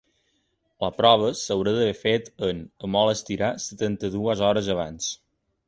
La prova s’haurà d’haver fet en, a molt estirar, setanta-dues hores abans.